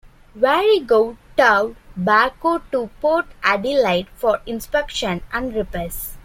"Warrego" towed "Barcoo" to Port Adelaide for inspection and repairs.